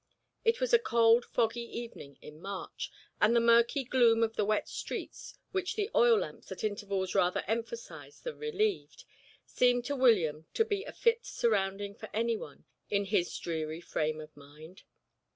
It was a cold, foggy evening in March, and the murky gloom of the wet streets, which the oil lamps at intervals rather emphasized than relieved, seemed to William to be a fit surrounding for anyone in his dreary frame of mind.